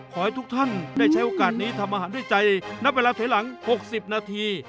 ขอให้ทุกท่านได้ใช้โอกาสนี้ทำอาหารด้วยใจณเวลาถอยหลัง๖๐นาที